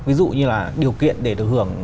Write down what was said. ví dụ như là điều kiện để được hưởng